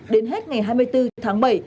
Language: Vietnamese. đến hết ngày hai mươi bốn tháng bảy